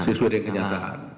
sesuai dengan kenyataan